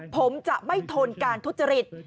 ผมจะไม่ทนการทุจริต